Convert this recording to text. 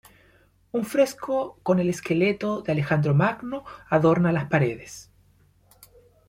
Un fresco con el esqueleto de Alejandro Magno adorna las paredes.